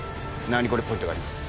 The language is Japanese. ナニコレポイントがあります。